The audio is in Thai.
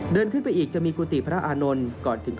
เดินขึ้นไปอีกจะมีกุฏิพระอานลล์